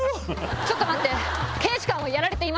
ちょっと待って！